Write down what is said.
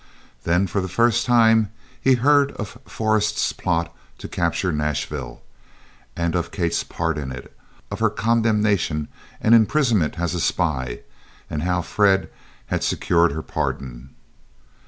Then for the first time he heard of Forrest's plot to capture Nashville, and of Kate's part in it, of her condemnation, and imprisonment as a spy, and how Fred had secured her pardon.